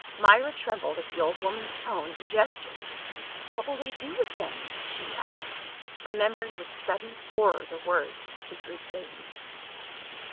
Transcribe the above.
Myra trembled at the old woman's tone and gesture. "What will they do with them?" she asked, remem bering with sudden horror the words of the Greek lady.